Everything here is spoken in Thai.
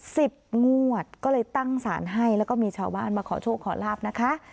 งวดก็เลยตั้งสารให้แล้วก็มีชาวบ้านมาขอโชคขอลาบนะคะ